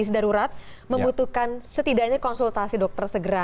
medis darurat membutuhkan setidaknya konsultasi dokter segera